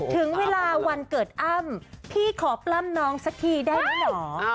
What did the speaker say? ถึงเวลาวันเกิดอ้ำพี่ขอปล้ำน้องสักทีได้ไหมเหรอ